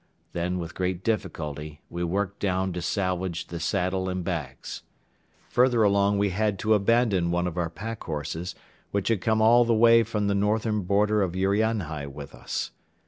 Then with great difficulty we worked down to salvage the saddle and bags. Further along we had to abandon one of our pack horses which had come all the way from the northern border of Urianhai with us.